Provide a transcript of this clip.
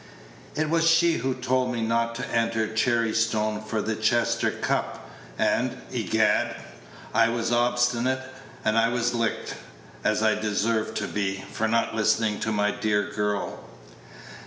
It was she who told me not to enter Cherry stone for the Chester Cup, and, egad! I was obstinate, and I was licked as I deserved to be, for not listening to my dear girl."